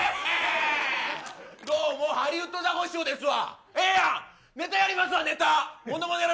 どうも、ハリウッドザコシショウですわ。